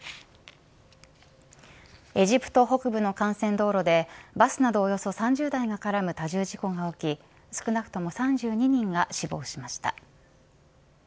エジプト北部の幹線道路でバスなどおよそ３０台が絡む多重事故が起き少なくとも３２人が死亡しました。